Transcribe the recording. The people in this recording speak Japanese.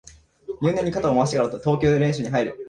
入念に肩を回してから投球練習に入る